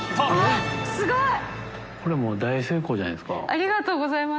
ありがとうございます。